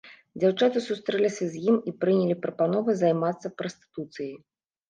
Дзяўчаты сустрэліся з ім і прынялі прапанову займацца прастытуцыяй.